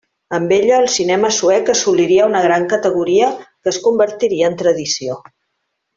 Amb ella el cinema suec assoliria una gran categoria que es convertiria en tradició.